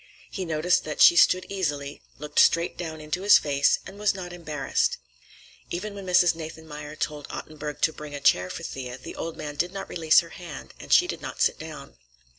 He noticed that she stood easily, looked straight down into his face, and was not embarrassed. Even when Mrs. Nathanmeyer told Ottenburg to bring a chair for Thea, the old man did not release her hand, and she did not sit down.